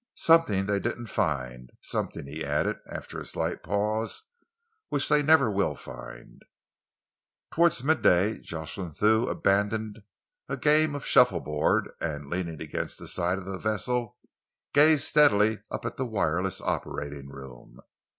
"Something they didn't find! Something," he added, after a slight pause, "which they never will find!" Towards midday, Jocelyn Thew abandoned a game of shuffleboard, and, leaning against the side of the vessel, gazed steadily up at the wireless operating room.